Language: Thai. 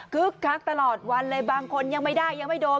คักตลอดวันเลยบางคนยังไม่ได้ยังไม่โดน